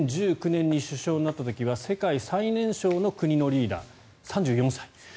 ２０１９年に首相になった時は世界最年少の国のリーダー３４歳。